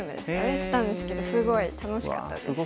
したんですけどすごい楽しかったです。